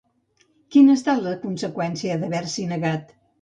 Quina ha estat la conseqüència d'haver-s'hi negat?